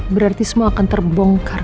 berarti semua akan terbongkar